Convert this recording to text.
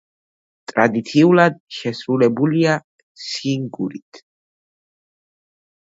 ტრადიციულად, შესრულებულია სინგურით.